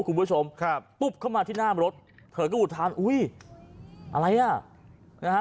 คุณผู้ชมครับปุ๊บเข้ามาที่หน้ารถเธอก็อุทานอุ้ยอะไรอ่ะนะฮะ